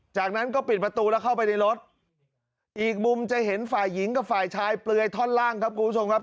จากนั้นก็ปิดประตูแล้วเข้าไปในรถอีกมุมจะเห็นฝ่ายหญิงกับฝ่ายชายเปลือยท่อนล่างครับคุณผู้ชมครับ